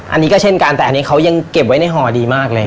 อันนี้ก็เช่นกันแต่อันนี้เขายังเก็บไว้ในห่อดีมากเลย